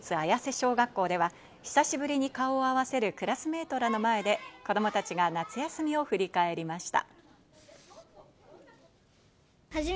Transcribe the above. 小学校では、久しぶりに顔を合わせるクラスメートらの前で子どもたちが夏休みを振り返りました。